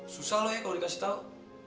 susah lo ya kalo dikasih tau